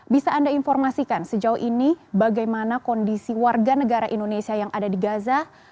bisa anda informasikan sejauh ini bagaimana kondisi warga negara indonesia yang ada di gaza